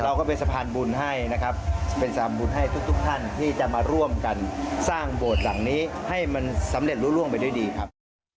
ก็เป็นสะพานบุญให้นะครับเป็นสะพานบุญให้ทุกท่านที่จะมาร่วมกันสร้างโบสถ์หลังนี้ให้มันสำเร็จรู้ล่วงไปด้วยดีครับ